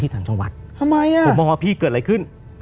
ที่ศัลจงวัตรผมบอกว่าพี่เกิดอะไรขึ้น